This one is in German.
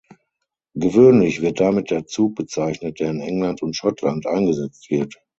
Gewöhnlich wird damit der Zug bezeichnet, der in England und Schottland eingesetzt wird.